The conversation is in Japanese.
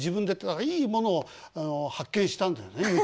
だからいいものを発見したんだよね